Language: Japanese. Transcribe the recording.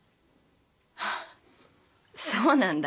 あそうなんだ。